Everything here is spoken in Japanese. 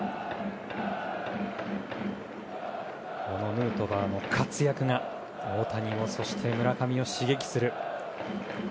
ヌートバーの活躍が大谷を、そして村上を刺激する。